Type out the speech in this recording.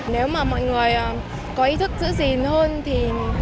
nếu mà mọi người có ý thức giữ gìn hơn thì